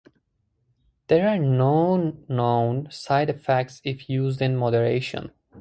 There are no known side-effects if used in moderation.